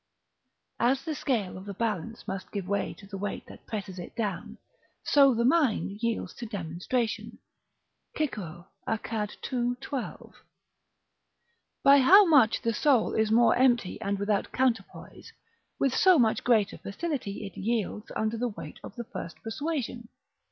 ["As the scale of the balance must give way to the weight that presses it down, so the mind yields to demonstration." Cicero, Acad., ii. 12.] By how much the soul is more empty and without counterpoise, with so much greater facility it yields under the weight of the first persuasion.